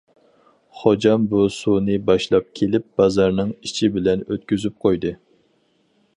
خوجام بۇ سۇنى باشلاپ كېلىپ بازارنىڭ ئىچى بىلەن ئۆتكۈزۈپ قويدى.